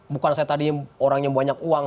bukan saya tadi orang yang banyak uang